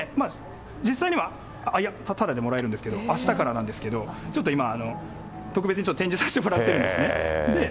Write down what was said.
実際には、ただでもらえるんですけど、あしたからなんですけど、ちょっと今、特別にちょっと展示させてもらってるんですね。